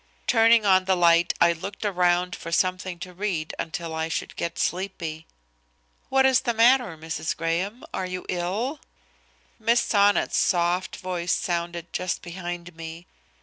Turning on the light, I looked around for something to read until I should get sleepy. "What is the matter, Mrs. Graham? Are you ill?" Miss Sonnet's soft, voice sounded just behind me.